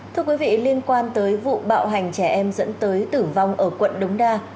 thưa quý vị liên quan tới vụ bạo hành trẻ em dẫn tới tử vong ở quận đống đa